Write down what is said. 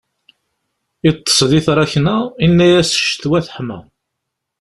Iṭṭes di tṛakna, yenna-as ccetwa teḥma.